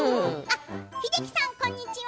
英樹さん、こんにちは。